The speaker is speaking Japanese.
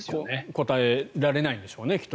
答えられないんでしょうねきっと。